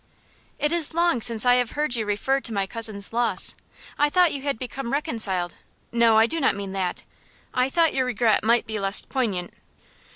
"It is long since I have heard you refer to my cousin's loss. I thought you had become reconciled no, I do not mean that, I thought your regret might be less poignant."